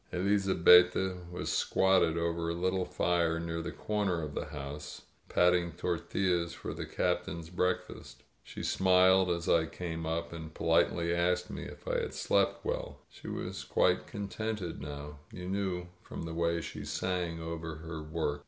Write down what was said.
Elizabetta was squatted over a little fire near the corner of the house, patting tortillas for the Captain's breakfast. She smiled as I came up, and politely asked me if I had slept well. She was quite contented now; you knew from the way she sang over her work.